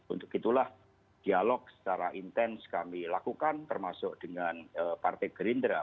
untuk itulah dialog secara intens kami lakukan termasuk dengan partai gerindra